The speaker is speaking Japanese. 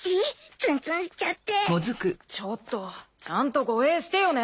ちょっとちゃんと護衛してよね。